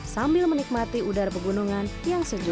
sambil menikmati udara pegunungan yang sejuk